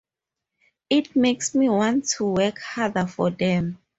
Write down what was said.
It makes me want to work harder for them.